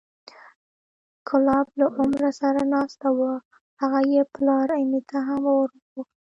کلاب له عمر سره ناست و هغه یې پلار امیة هم وورغوښت،